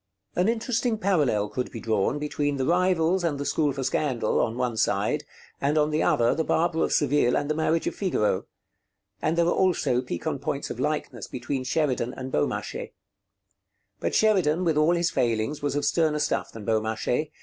An interesting parallel could be drawn between 'The Rivals' and the 'School for Scandal' on the one side, and on the other 'The Barber of Seville' and 'The Marriage of Figaro'; and there are also piquant points of likeness between Sheridan and Beaumarchais. But Sheridan, with all his failings, was of sterner stuff than Beaumarchais.